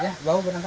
iya bawa berangkat